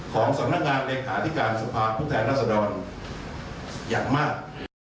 ของสำนักงานเลขาธิการสภาพผู้แทนรัศดรอย่างมาก